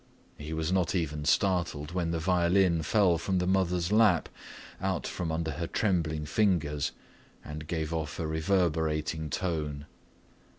He was not even startled when the violin fell from the mother's lap, out from under her trembling fingers, and gave off a reverberating tone.